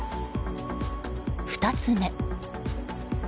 ２つ目。